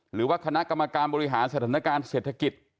หรือว่าคณะกรรมการบริหารสถานการณ์เศรษฐกิจ